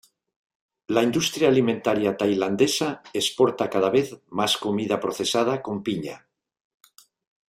La industria alimentaria tailandesa exporta cada vez más comida procesada como piña.